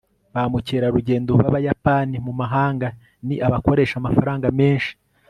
ba mukerarugendo b'abayapani mumahanga ni abakoresha amafaranga menshi